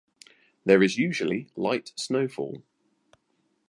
There is usually light snowfall.